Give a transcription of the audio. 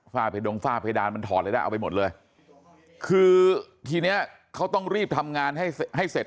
เพดงฝ้าเพดานมันถอดอะไรได้เอาไปหมดเลยคือทีเนี้ยเขาต้องรีบทำงานให้ให้เสร็จ